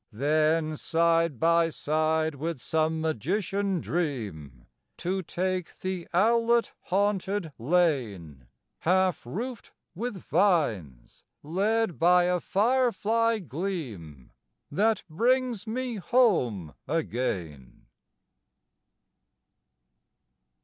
Then side by side with some magician dream, To take the owlet haunted lane, Half roofed with vines; led by a firefly gleam, That brings me home again.